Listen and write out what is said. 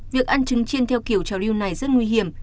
việc ăn trứng chiên theo kiểu trào lưu này rất nguy hiểm